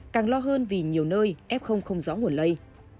càng lo hơn vì nhiều nơi f không rõ nguồn lây